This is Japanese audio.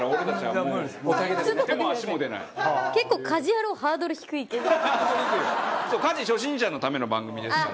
結構家事初心者のための番組ですから。